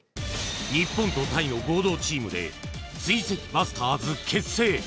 日本とタイの合同チームで追跡バスターズ結成！